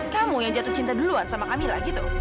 kamu yang jatuh cinta duluan sama camilla gitu